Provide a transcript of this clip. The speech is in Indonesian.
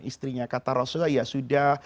istrinya kata rasulullah ya sudah